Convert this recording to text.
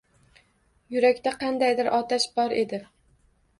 Yurakda qandaydir otash bor edi.